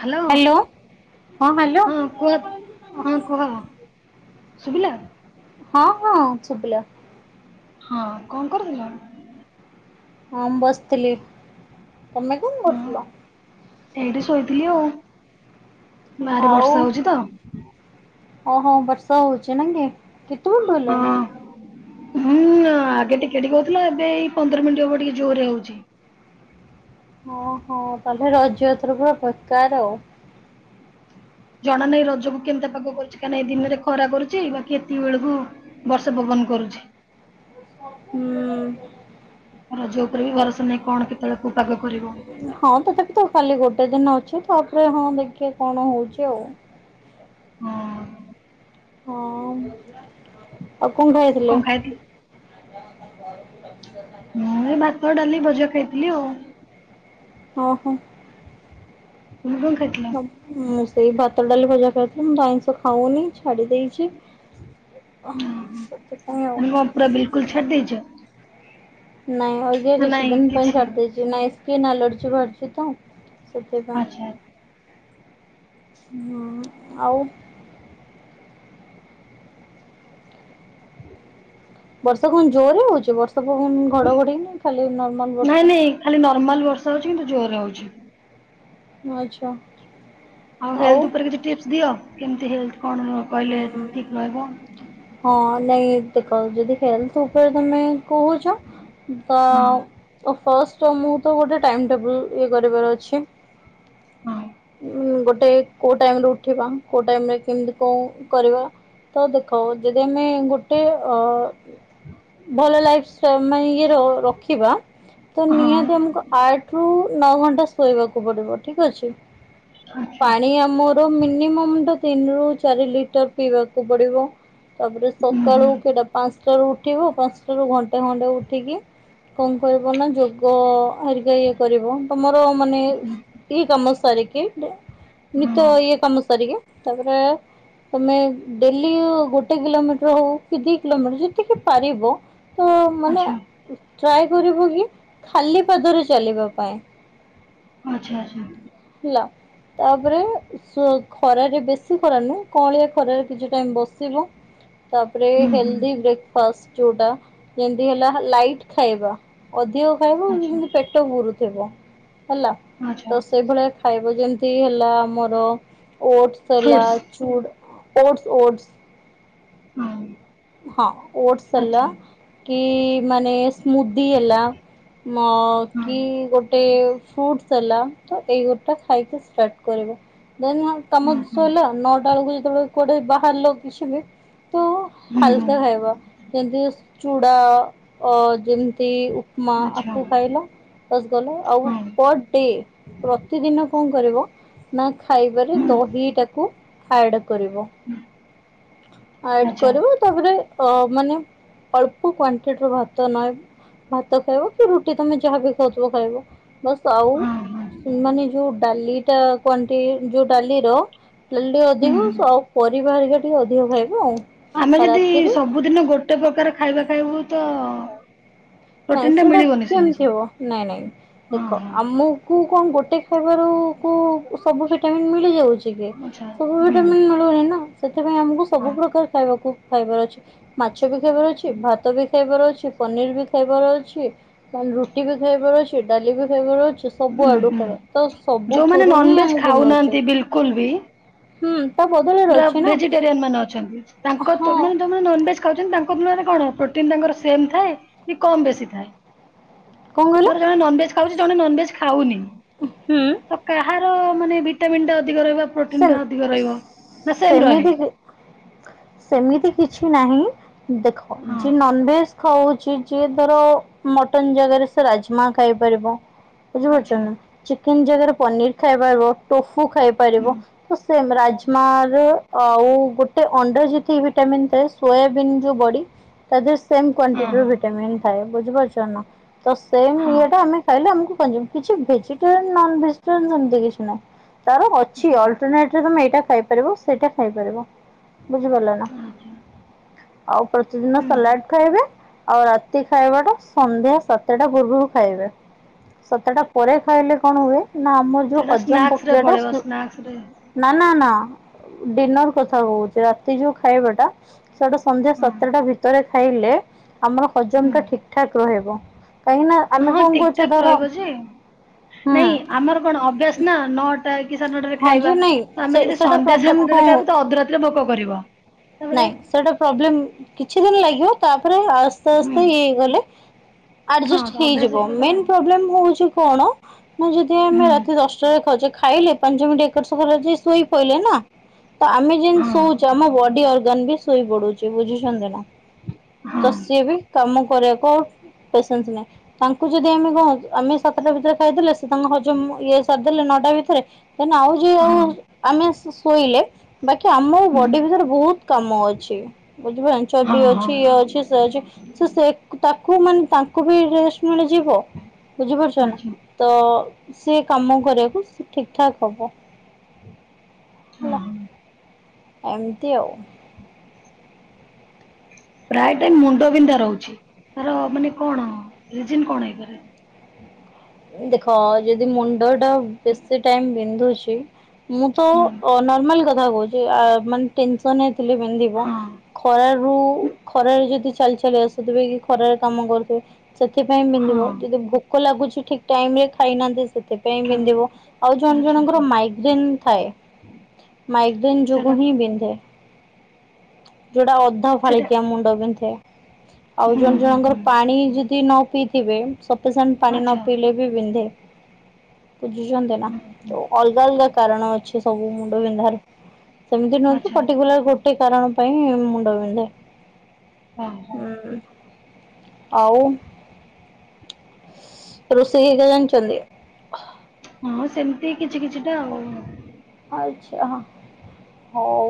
Hello ହଁ। କୁହ ହଁ କୁହ ଶୁଭିଲା? ହଁ ହଁ ଶୁଭିଲା। ହଁ କଣ କରୁଥିଲ। ହଁ ମ ବସିଥିଲି ତମେ କଣ ହଁ କରୁଥିଲ। ଏଇଠି ଶୋଇଥିଲି ଆଉ ବାହାରେ ବର୍ଷା ହଉଛି ତ। ହ ହ ବର୍ଷା ହଉଚି ନା କି କେତେ ବେଳେଠୁ ହଁ ହେଲାଣି। ହୁଁ ଆଗେ ଟିକେ ଟିକେ ହଉଥିଲା ଏବେ ଏଇ ପନ୍ଦର ମିନିଟ୍ ହବ ଟିକେ ଜୋରେ ହଉଚି। ଓଁ ହୋ ତାହେଲେ ରଜ ଏଥର ପୁରା ପ୍ରକାର। ଜଣା ନାଇଁ ରଜକୁ କେମିତିଆ ପାଗ କରୁଚି କାହିଁକି ନା ଦିନରେ ଖରା କରୁଚି ବାକି ଏତିକି ବେଳକୁ ବର୍ଷା ପବନ କରୁଚି। ହୁଁ। ରଜ ଉପରେ ବି ଭରସା ନାହିଁ କଣ କେତେବେଳେ କୋଉ ପାଗ କରିବ। ହଁ ତଥାପି ତ କାଲି ଗୋଟେ ଦିନ ଅଛି ତାପରେ ହଁ ଦେଖିଆ କଣ ହଉଛି ଆଉ। ହୁଁ। ହଁ ଆଉ କଣ ଖାଇଥିଲେ। ମୁଁ ଏଇ ଭାତ ଡାଲି ଭଜା ଖାଇଥିଲି ଆଉ। ଓହୋ। ତୁମେ କଣ ଖାଇଥିଲ। ମୁଁ ପ୍ ମୁଁ ସେଇ ଭାତ ଡାଲି ଭଜା ଖାଇଥିଲି ମୁଁ ତ ଆଇଁଷ ଖାଉନି ଛାଡି ଦେଇଚି। ଓ ହ ଆଉ ମାନେ କ ପୁରା ବିଲକୁଲ ଛାଡି ଦେଇଚ। ନାଇଁ ହଉ ତିରିଶି ନାଇଁ ଦିନ ପାଇଁ କିଛି ଛାଡି ଦେଇଚି ନାଇଁ ସ୍କିନ ଆଲାର୍ଜି ବାହାରିଚି ତ ସେଥି ପାଇଁ। ଆଚ୍ଛା ଆଚ୍ଛା ହୁଁ ଆଉ। ହୁଁ [unintelligible] ବର୍ଷା କଣ ଜୋରେ ହଉଚି ବର୍ଷା ପବନ ଘଡ଼ଘଡି ନା ଖାଲି ନର୍ମାଲ ନାଇଁ ବର୍ଷା। ନାଇଁ ଖାଲି ନର୍ମାଲ ବର୍ଷା ହଉଚି କିନ୍ତୁ ଜୋରେ ହଉଚି। ଆଚ୍ଛା। ଆଉ ହେଲଥ ଉପରେ କିଛି ଟିପ୍ସ ଦିଅ କେମିତି ହେଲଥ କଣ କହିଲେ ଠିକ୍ ରହିବ। ହଁ ହେଲାଗି ତ କହୁଚି ଯଦି ହେଲଥ ଉପରେ ତମେ କହୁଚ ତ ହଁ ଅ ଫାସ୍ ଷ୍ଟ ତମକୁ ତ ଗୋଟେ ଟାଇମ୍ ଟେବୁଲ ଇଏ କରିବାର ଅଛି ହଁ ଉଁ ଗୋଟେ କୋଉ ଟାଇମରେ ଉଠିବା କୋଉ ଟାଇମରେ କେମିତି କଣ କରିବା ତ ଦେଖ ହଉ ଯଦି ଆମେ ଗୋଟେ ଅ ଭଲ ଲାଇଫସ୍ ତ ମେ ଇଏରେ ଅ ରଖିବା ତ ହଁ ନିହାତି ଆମକୁ ଆଠ ରୁ ନଅ ଘଣ୍ଟା ଶୋଇବାକୁ ପଡିବ ଠିକ ଅଛି ପାଣି ଆମ ର ମିନିମମ୍ ଟା ତିନି ରୁ ଚାରି ଲିଟର ପିଇବାକୁ ପଡିବ। ତାପରେ ହୁଁ ହୁଁ ସକାଳୁ କେଟା ପାଞ୍ଚଟାରୁ ଉଠିବ ପାଞ୍ଚଟାରୁ ଘଣ୍ଟେ ଖଣ୍ଡେ ଉଠିକି କଣ କରିବ ନା ଯୋଗ ହେରିକା ଇଏ କରିବ ତମର ମାନେ ଏଇ କାମ ସାରିକି ହୁଁ ନିତ୍ୟ ଇଏ କାମ ସାରିକି ତାପରେ ତମେ ଡେଲି ଗୋଟେ କିଲୋମିଟର ହଉ କି ଦି କିଲୋମିଟର ଯେତିକି ପାରିବ ତ ମାନେ ଆଚ୍ଛା ଟ୍ରାଏ କରିବକି ଖାଲି ପାଦରେ ଚାଲିବା ପାଇଁ। ଆଚ୍ଛା ଆଚ୍ଛା ହେଲା ତାପରେ ଖରାରେ ବେଶୀ ଖରା ନୁହେଁ କଅଁଳିଆ ଖରାରେ କିଛି ଟାଇମ ବସିବୁ। ତାପରେ ହୁଁ ହୁଁ ହେଲଦି ବ୍ରେକ୍ ଫାଷ୍ଟ ଯୋଉଟା ଯେମିତି ହେଲା ଲାଇଟ ଖାଇବା ଅଧିକ ଖାଇବ ଆଚ୍ଛା ଯେମିତି ପେଟ ପୁରୁଥିବ ହେଲା ଆଛା ତ ସେଇଭଳିଆ ଖାଇବା ଯେମିତି ହେଲା ଆମର ଓଟ୍ସ ହେଲା ଫ୍ରୁଟ୍ସ ଫ୍ରୁଡ୍ସ ଓଟ୍ସ ଓଟ୍ସ ହୁଁ ହଁ ଓଟସ୍ ହେଲା କି ମାନେ ସ୍ମୁଦି ହେଲା ମ ହଁ କି ଗୋ ଏଇ ଫ୍ରୁଟ୍ସ ହେଲା ତ ଏଇ ଗୋଟା ଖାଇବା ଷ୍ଟାର୍ଟ କରିବ ଦେନ୍ ହା ହଁ କାମତ ହଁ ସଇଲା ନଅଟା ବେଳକୁ ଯେତେବେଳେ କୋଆଡେ ବାହାରିଲ କିଛି ବି ତ ହୁଁ ହୁଁ ହାଲକା ଖାଇବା ଯେମିତି ଚୁଡ଼ା ଓ ଯେମିତି ଉ - ପମା ଆଚ୍ଛା ଆକୁ ଖାଇଲା ଗଲା ଆଉ ହଁ ପର ଡେ ପ୍ରତିଦିନ କଣ କରିବ ନା ଖାଇବାରେ ଦହିଟାକୁ ଆଡ କରିବ ଆଡ ଆଚ୍ଛା ତାପରେ ଅ ମାନେ ଅଳ୍ପ କ୍ଵାଣ୍ଟିଟିର ଭାତ ନଏବ୍ ଭାତ ଖାଇବ କି ରୁଟି ତମେ ଯାହାବି ଖାଉଥିବ ଖାଇବ ବସ୍ ଆଉ ହଁ ହଁ ମାନେ ଯୋଉ ଡାଲିଟା କ୍ୱାଣ୍ଟି ଯୋଉ ଡାଲିର ଡାଲି ଟିକେ ହୁଁ ଅଧିକ ହୁଁ ସବ ପରିବା ଘରିକା ଟିକେ ଅଧିକ ଖାଇବ ଆଉ ଆମେ ଆଉ ଯଦି ରାତିରେ ସବୁଦିନ ଗୋଟେ ପ୍ରକାର ଖାଇବା ଖାଇବୁ ତ ନାଇଁ ପ୍ରୋଟିନ ଟା ସେଇଟା ମିଳିବନି ସେ କେମତି ଅନୁସାରେ ହବ ନାଇଁ ନାଇଁ ହଁ ଦେଖ ହଁ ଆମକୁ କଣ ଗୋଟେ ଖାଇବାରୁ କୁ ସବୁ ଭିଟାମିନ୍ ମିଳିଯାଉଛି କି ଆଚ୍ଛା ସବୁ ହୁଁ ଭିଟାମିନ୍ ମିଳୁନି ନା ସେଥିପାଇଁ ଆମକୁ ସବୁ ହଁ ପ୍ରକାର ଖାଇବାକୁ ଖାଇବାର ଅଛି! ମାଛ ବି ଖାଇବାର ଅଛି ଭାତ ବି ଖାଇବାର ଅଛି ପନିର ବି ଖାଇବାର ଅଛି ଦେନ୍ ରୁଟି ବି ଖାଇବାର ଅଛି ଡାଲି ବି ଖାଇବାର ଅଛି ସବୁ ଉଁ ଆଡୁ ହୁଁ ଖାଇବା ତ ଯୋଉମାନେ ସବୁଥିରୁ ହିଁ ନନଭେଜ ଆମକୁ ମିଳୁଛି। ଖାଉନାହାନ୍ତି ବିଲକୁଲ ବି ହୁଁ ତା ବଦଳ ପୁରା ଭେଜିଟେରିଆନ ମାନେ ଅଛନ୍ତି ତାଙ୍କ ତ ହଁ ମାନେ ଯୋଉ ମାନେ ନନଭେଜ ଖାଉଛନ୍ତି ତାଙ୍କ ମାନେ କଣ ପ୍ରୋଟିନ ତାଙ୍କର ସେମ୍ ଥାଏ କି କମ ବେଶୀ ଥାଏ? କଣ କହିଲ ଧର ଜଣେ ନନଭେଜ ଖାଉଛି ଜଣେ ନନଭେଜ ଖାଉନି ହୁଁ ତ କାହାର ମାନେ ଭିଟାମିନ୍ ଟା ଅଧିକ ରହିବ ଆଉ ସେ ପ୍ରୋଟିନ ଟା ଅଧିକ ରହିବ? ନା ସେମ ରହେ ସେମିତି ସେମିତି କିଛି ନାହିଁ ଦେଖ ହଁ ଯେ ନନଭେଜ ଖାଉଛି ଯିଏ ଧର ମଟନ ଜାଗାରେ ସେ ରାଜମା ଖାଇପାରିବ- ଆଚ୍ଛା ବୁଝିପାରୁଛନ୍ତିନା ଚିକେନ ଜାଗାରେ ପନିର ଖାଇପାରିବ ଟୋଫୁ ହୁଁ ଖାଇପାରିବ ସେମ୍ ରାଜମାରେ ଆଉ ଗୋଟେ ଅଣ୍ଡା ଯେତିକି ଭିଟାମନ୍ ଥାଏ ସୋୟାବିନ୍ ଯୋଉ ବଢ଼ି- ତା ଦେହରେ ସେମ୍ ହଁ କ୍ଵାଣ୍ଟିଟିର ହଁ ଭିଟାମିନ୍ ଥାଏ ବୁଝିପାରୁଛନ୍ତିନା ତ ସେମ ହଁ ଇଏ ଟା ଆମେ ଖାଇଲେ ଆମକୁ କିଛି ଭେଜିଟେରିଆନ ନନଭେଜିଟରିଆନ ସେମତି କିଛି ନାହିଁ ତାର ଅଛି ଅଲ୍ ଯେ ତମେ ଏଇଟା ଖାଇପାରିବ ସେଇଟା ଖାଇପାରିବ ବୁଝିପାରିଲ ନା ଆଜ୍ଞା ଆଉ ପ୍ରତିଦିନ ହୁଁ ସାଲାଡ ଖାଇବେ ଆଉ ରାତି ଖାଇବାଟା ସନ୍ଧ୍ୟା ସାତଟା ପୂର୍ବୁରୁ ଖାଇବେ। ସାତଟା ପରେ ଖାଇଲେ କଣ ହୁଏ ନା ଆମର ଯୋଉ ସେଟା ହଜମ ସ୍ନାକ୍ସ ରେ ପକ୍ରିୟାଟା ପଳେଇବ ସି [unintelligible] ନା ନା ନା ଡିନର କଥା କହୁଚି ରାତି ଯୋଉ ଖାଇବାଟା ସେଟା ସନ୍ଧ୍ୟା ହଁ ସାତଟା ଭିତରେ ଖାଇଲେ ଆମର ହଜମ ଟା ଠିକ୍ ହୁଁ ଠାକ୍ ରହିବ। କାହିଁକି ନା ଆମେ ହଁ କଣ ଠିକ୍ କରୁଛେ ଠାକ୍ ଧର ରହିବ ଯେ ହୁଁ ନାଇଁ ଆମର କଣ ଅଭ୍ୟାସ ନା ନ ଟା କି ସାଡ୍ ନଟାରେ ହଁ ଯେ ଖାଇବା ନାଇଁ ତ ସେ ଆମେ ଯଦି ସେଟା ସନ୍ଧ୍ୟା ପ୍ରୋବ୍ଲେମ କଣ ସାତଟାରେ ଖାଇବୁ ତ ଅଧ ରାତିରେ ଭୋକ କରିବ। ତାପରେ ନାଇଁ ସେଟା ପ୍ରୋବ୍ଲେମ୍ କିଛି ଦିନି ଲାଗିବ। ତାପରେ ଆସ୍ତେ ହୁଁ ଆସ୍ତେ ଇ ହେଇଗଲେ ହଁ ଆଡଜେଷ୍ଟ ତ ଅଭ୍ୟାସ ହେଇଯିବ ହେଇଗଲେ ତ ମେନ୍ ପୋବ୍ଲେମ୍ ହଉଛି କଣ? ନା ଯଦି ଆମେ ହୁଁ ରାତି ଦଶଟାରେ ଖାଉଚେ ଖାଇଲେ ପାଞ୍ଚ ମିନଟି ଏପଟ୍ ସେପଟରେ ହେଇଜି ଏକ ଶୋଇ ପଇଲେ ନା। ତ ଆମେ ଯେମିତି ହଁ ଶୋଉଚୁ ଆମ ବଡି ଅର୍ଗାନ ବି ଶୋଇ ପଡ଼ୁଚି ବୁଝୁଛନ୍ତି ନା। ହଁ ତ ସିଏ ବି କାମ କରିବାକୁ ଆଉ ପେସେନ୍ସ ନାହିଁ। ତାଙ୍କୁ ଯେଦି ଆମେ କହନ୍ତ ଆମେ ସାତଟା ଭିତରେ ଖାଇଦେଲେ ସେ ତାଙ୍କ ହଜମ ଇଏ ସାରିଦେଲେ ନଅଟା ଭିତରେ କାଇଁ ନାଁ ଆଉ ଯିଏ ଆଉ ହଁ ଆମେ ଶୋଇଲେ ବାକି ଆମ ହୁଁ ବଡି ଭିତରେ ବହୁତ୍ କାମ ଅଛି। ବୁଝି ଭ ଏଞ୍ଚ ହଁ ବି ହଁ ଅଛି ଇଏ ଅଛି ସେ ଅଛି। ସିଏ ସେ ତାକୁ ମାନେ ତାଙ୍କୁ ବି ରେଷ୍ଟ୍ ମିଳିଯିବ ବୁଝିପାରୁଛ ନା। ଆଚ୍ଛା ତ ସିଏ କାମ କରିବାକୁ ସେ ଠିକ୍ ଠାକ୍ ହବ। ହଁ ହେଲା ହଁ ଏମତି ଆଉ। ପ୍ରାୟ ଟାଇମ୍ ମୁଣ୍ଡ ବିନ୍ଧା ରହୁଚି ତାର ମାନେ କଣ ରିଜିନ କଣ ହେଇପାରେ। ଦେଖ ଯଦି ମୁଣ୍ଡ ଟା ବେଶୀ ଟାଇମ୍ ବିନ୍ଧୁଚି ମୁଁ ତ ହୁଁ ଅ ନର୍ମାଲ କଥା କହୁଚି। ସନ ହେଇଥିଲେ ବିନ୍ଧିବ ହଁ ଖରାରୁ ଖରାରେ ଯଦି ଚାଲି ଚାଲି ଆସ୍ ସେଥିପାଇଁ କି ଖରାରେ କାମ କରୁଥିବେ ସେଥିପାଇଁ ବିନ୍ଧିବ ହଁ ଯଦି ଭୋକ ଲାଗୁଛି ଠିକ୍। ଟାଇମରେ ଖାଇନାହାନ୍ତି ସେଥିପାଇଁ ଖାଲି ବିନ୍ଧିବ। ଆଉ ଜଣ ଆଚ୍ଛା ଜଣଙ୍କର ଆଚ୍ଛା ମାଇଗ୍ରେନ୍ ଥାଏ। ମାଇଗ୍ରେନ୍ ଯୋଗୁ ସେଟା ହିଁ ବିନ୍ଧେ। ଯୋଉଟା ଅଧା ସେଟା ଫାଳିକିଆ ମୁଣ୍ଡ ବିନ୍ଧେ। ଆଉ ହୁଁ ଜଣ ହୁଁ ଜଣଙ୍କର ହୁଁ ପାଣି ଯଦି ନ ପିଇଥିବେ ସପିସେଣ୍ଟ ପାଣି ନ ଆଚ୍ଛା ପିଇଲେ ହୁଁ ବି ବିନ୍ଧେ। ବୁଝୁଛନ୍ତି ନା। ହୁଁ ତୋ ଅଲଗା ଅଲଗା କାରଣ ଅଛି ସବୁ ମୁଣ୍ଡ ବିନ୍ଧାର। ସେମତି ନୁହଁକି ଆଚ୍ଛା ଆଚ୍ଛା ପର୍ଟିକୁଲାର ଗୋଟେ କାରଣ ପାଇଁ ମୁଣ୍ଡ ବିିନ୍ଧେ। ହଁ ହଉ ହୁଁ ଆଉ। ରୋଷେଇ ହେଇକା ଜାଣିଛନ୍ତି? ହଁ ସେମତି କିଛି କିଛିଟା ଆଉ। ଆଚ୍ଛା ହଉ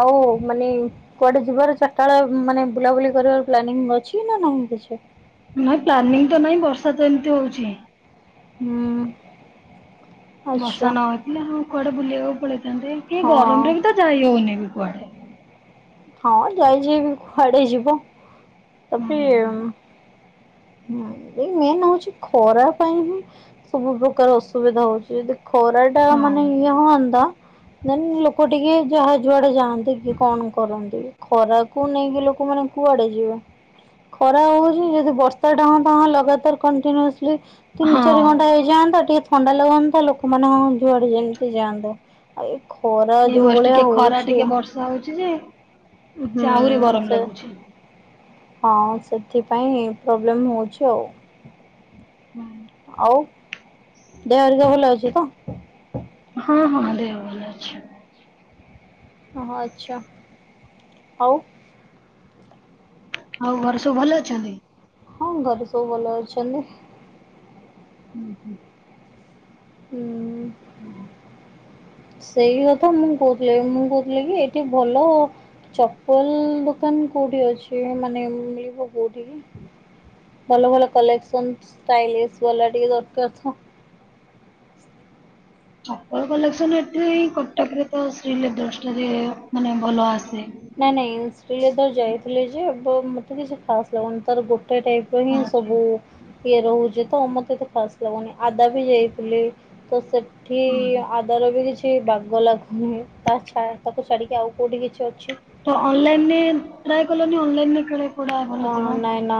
ଆଉ ମାନେ କୁଆଡେ ଯିବାର ଚାରିଟା ବଳେ ମାନେ ବୁଲାବୁଲି କରିବାର ପ୍ଲାନିଂ ଅଛି ନା ନାହିଁ କିଛି? ନାଇଁ ପ୍ଲାନିଂ ତ ନାହିଁ ବର୍ଷା ତ ଏମିତି ହଉଚି। ହୁଁ। ବର୍ଷା ଆଚ୍ଛା ନ ହେଇଥିଲେ ହଁ କୁଆଡେ ବୁଲିବାକୁ ପଳେଇଥାନ୍ତେ କେ ଗରମ ରେ ହଁ ବି ତ ଯାଇ ହଉନି ବି କୁଆଡେ। ହଁ ଯାଇଛି ବି କୁଆଡେ ଯିବ। ତାପରେ ହୁଁ ଏଇ ମେନ୍ ହଉଚି ଖରା ପାଇଁ ହିଁ ସବୁ ପ୍ରକାର ଅସୁବିଧା ହଉଚି। ଯଦି ଖରା ଟା ହଁ ମାନେ ଇଏ ହୁଅନ୍ତା ଦେନ୍ ଲୋକ ଟିକେ ଯାହା ଯୁଆଡେ ଯାଆ ହନ୍ତି କି କଣ କରନ୍ତି କି? ଖରାକୁ ନେଇକି ଲୋକମାନଙ୍କୁ କୁଆଡେ ଯିବ? ଖରା ହଉଚି ଯଦି ବର୍ଷାଟା ହଁତା ହଁ ଲଗାତାର କଣ୍ଟିନ୍ୟୁଅସଲି। ତିନି ଚାରି ହଁ ଘଣ୍ଟା ହେଇଯାଆନ୍ତା ଟିକେ ଥଣ୍ଡା ଲଗାନ୍ତା। ଲୋକମାନେ ହ ଯୁଆଡେ ଯେମିତି ଯାଆନ୍ତେ। ଆଉ ଏ ଖରା ଏଇ ଯୋଉ ବର୍ଷ ଭଳିଆ ଟିକେ ଖରା ହଉଚି। ଟିକେ ବର୍ଷା ହଉଚି ଯେ ସେ ଆହୁରି ହୁଁ ଗରମ ସେ ଲାଗୁଚି। ହଁ ସେଥିପାଇଁ ପ୍ରୋବ୍ଲେମ୍ ହଉଚି ଆଉ। ହୁଁ। ଆଉ ଦେହହରିକା ଭଲ ଅଛି ତ? ହଁ ହଁ ଦେହ ଭଲ ଅଛି। ଓହୋ, ଆଚ୍ଛା। ଆଉ ଆଉ ଘର ସବୁ ଭଲ ଅଛନ୍ତି? ହଁ ଘରେ ସବୁ ଭଲ ଅଛନ୍ତି। ହୁଁ ହୁଁ। ହୁଁ ସେଇ କଥା ମୁଁ କହୁଥିଲି, ମୁଁ କହୁଥିଲି କି ଏଠି ଭଲ ଚପଲ ଦୋକାନ କୋଉଠି ଅଛି, ମାନେ ମିଳିବ କୋଉଠି? ଭଲ ଭଲ କଲେକ୍ସନ, ଷ୍ଟାଇଲିଷ୍ଟ ବାଲା ଟିକେ ଦରକାର ତ। ଚପଲ କଲେକ୍ସନ ଏଠି ନାହିଁ, କଟକରେ ଶ୍ରୀଲେଦର୍ସଠାରେ ମାନେ ଭଲ ଆସେ। ନାଇଁ ନାଇଁ ଶ୍ରୀଲେଦର୍ସ ଯାଇଥିଲି ଯେ ବ ମତେ କିଛି ଖାସ୍ ଲାଗୁନି। ତାର ଗୋଟେ ଗୋଟାଇ ଟାଇପର ହିଁ ହଁ ସବୁ ଇଏ ରହୁଛି ତ, ମୋତେ ଏତେ ଖାସ୍ ଲାଗୁନି। ଆଦା ବି ଯାଇଥିଲି, ତ ସେ ଏଠି ଆଦାର ବି କିଛି ଛି ବାଗ ଲାଗୁନି। ତା ଛା ତାକୁ ଛାଡ଼ିକି ଆଉ କୋଉଠି କିଛି ଅଛି? ତ ଅନଲାଇନରେ ଟ୍ରାଏ କଲନି, ଅନଲାଇନରେ କାଳେ କୋଉଟା ଭଲ ଅ ଥିବ? ନାଇଁ ନ।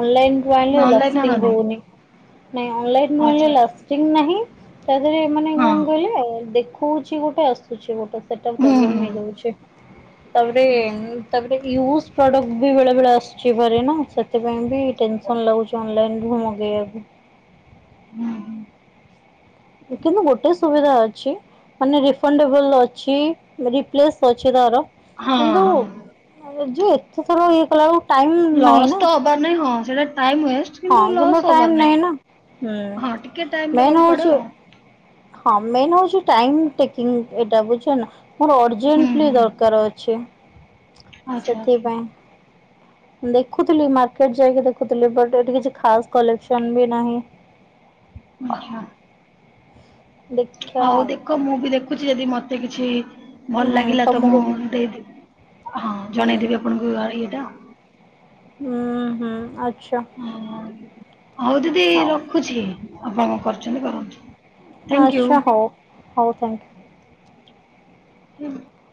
ଅନଲାଇନରୁ ନା ଆଣିଲେ ଅନଲାଇନ ଲାଷ୍ଟିଙ୍ଗ ଆଣନି ହଉନି। ନାଇଁ ଅନଲାଇନ୍ ଅନଲାଇନରୁ ଆଇଁଲେ ଆଚ୍ଛା ଆଚ୍ଛା ଲାଷ୍ଟିଙ୍ଗ ନାହିଁ, ତା ଦେହରେ ମାନେ ହଁ। [unintelligible] ଦେଖଉଛି ଗୋଟେ ଆଉ। ହେଉଛି ଗୋଟେ ସେଇଟା ହୁଁ ପ୍ରୋବ୍ଲଲମ୍ ହୁଁ। ହେଇଯାଉଛି। ତାପରେ ଆଚ୍ଛା ତାପରେ ୟୁଉଜ୍ ପ୍ରଡକ୍ଟ ବି ବେଳେବେଳେ ଆସୁଛି ଭାରି ନା, ସେଥିପାଇଁ ବି ଟେନସନ ଲାଗୁଛି ଅନଲାଇନରୁ ମଗେଇବାକୁ। ହଁ। କିନ୍ତୁ ଗୋଟେ ସୁବିଧା ଅଛି। ମାନେ ରିଫଣ୍ଡେବଲ ଅଛି, ରିପ୍ଲେସ୍ ଅଛି ତାର। ହଁ କିନ୍ତୁ ହଁ। ଯେ ଏତେଥର ଇଏ କଲା ବେଳକୁ ଲସ୍ ତ ହବାର ନାଇଁ, ହଁ। ସେଇଟା ଟାଇମ ୱେଷ୍ଟ ହଁ କିନ୍ତୁ ଟାଇମ ନାହିଁ ନା, ହଁ ଟିକେ ଟାଇମ ହୁଁ। ମେନ୍ ଦବାକୁ ପଡେ ହଉଛି ଆଉ ହଁ। ମେନ୍ ହଉଛି ଟାଇମ୍ ଟେକିଙ୍ଗ ଏଇଟା ବୁଝ ନା? ମୋର ହୁଁ ଅରଜେଣ୍ଟଲି ହୁଁ ଦରକାର ଅ ଛି, ଆଚ୍ଛା ଆଚ୍ଛା ସେଥିପାଇଁ। ଦେଖୁଥିଲି, ମାର୍କେଟ ଯାଇକି ଦେଖୁଥିଲି। ବଟ ଏଠି କିଛି ଖାସ କଲେକ୍ସନ ବି ନାହିଁ। ଆଚ୍ଛା। ଦେଖିଆ ହଉ ଆଉ ଦେଖ, ମୁଁ ବି ଦେଖ ଦେଖୁଛି ଯଦି ମତେ କିଛି ଭଲ ହୁଁ ଲାଗିଲା ତ ମୁଁ ତମକୁ ଦେଇଦେବି, ହଁ ହୁଁ ଜଣେଇଦେବି ଆପଣଙ୍କୁ ଙ୍କୁ ଇଏଟା। ହୁଁ ହୁଁ, ଆଚ୍ଛା। ହଁ ଅଁ, ହଉ ଦିଦି ହଉ ରଖୁଛି, ଆପଣ କଣ କରୁଛନ୍ତି କରନ୍ତୁ। ଆଚ୍ଛା ଥ୍ୟାଙ୍କ ହଉ। ହଉ ଥ୍ୟାଙ୍କ ୟୁ। [unintelligible]